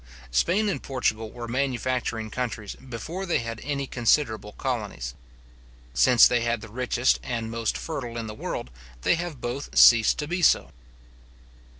Spain and Portugal were manufacturing countries before they had any considerable colonies. Since they had the richest and most fertile in the world, they have both ceased to be so.